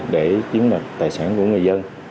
để chiếm lập tài sản của người dân